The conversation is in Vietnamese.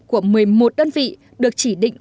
của một mươi một đơn vị được chỉ định